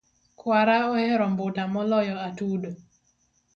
Kwarwa ohero mbata maloyo Atudo